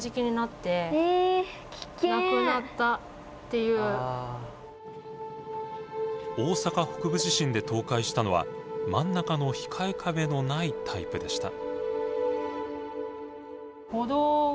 すごい！大阪北部地震で倒壊したのは真ん中の控え壁のないタイプでした。